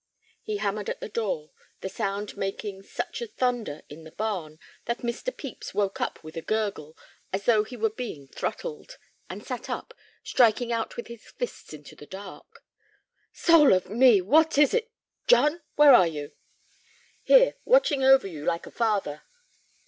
He hammered at the door, the sound making such a thunder in the barn that Mr. Pepys woke up with a gurgle, as though he were being throttled, and sat up, striking out with his fists into the dark. "Soul of me, what is it? John! Where are you?" "Here, watching over you like a father."